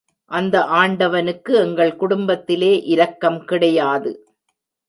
அந்த ஆண்டவனுக்கு எங்கள் குடும்பத்திலே இரக்கம் கிடையாது.